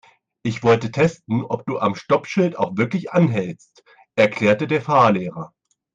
"Ich wollte testen, ob du am Stoppschild auch wirklich anhältst", erklärte der Fahrlehrer.